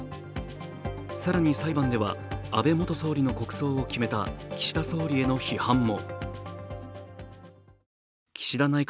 更に、裁判では安倍元総理の国葬を決めた岸田総理への批判も。